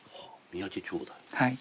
はい。